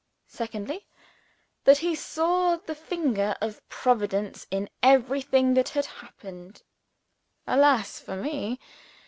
Secondly, that he saw the finger of Providence in everything that had happened. Alas, for me!